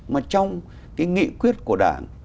mà trong cái nghị quyết của đảng